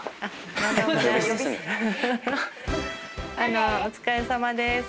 あのお疲れさまです。